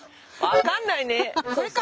分かんないね。